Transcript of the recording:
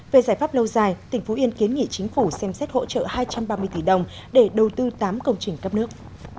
về giải pháp lâu dài tỉnh phú yên kiến nghị chính phủ xem xét hỗ trợ hai trăm ba mươi tỷ đồng để đầu tư tám công trình cấp nước